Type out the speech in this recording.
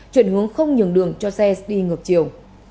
chuyển hướng không nhường đường cho xe đi ngược chiều